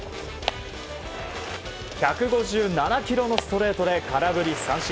１５７キロのストレートで空振り三振。